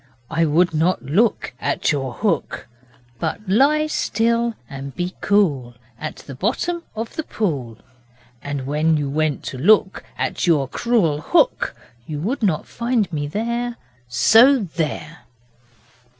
I would not look At your hook, But lie still and be cool At the bottom of the pool And when you went to look At your cruel hook, You would not find me there, So there!